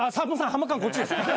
ハマカーンこっちです。